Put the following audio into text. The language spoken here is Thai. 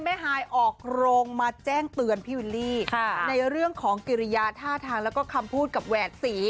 ฮายออกโรงมาแจ้งเตือนพี่วิลลี่ในเรื่องของกิริยาท่าทางแล้วก็คำพูดกับแหวดสี